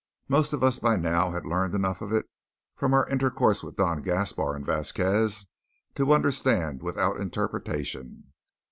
Most of us by now had learned enough of it from our intercourse with Don Gaspar and Vasquez to understand without interpretation.